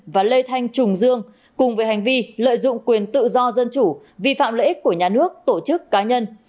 và lê thanh trùng dương cùng về hành vi lợi dụng quyền tự do dân chủ vi phạm lợi ích của nhà nước tổ chức cá nhân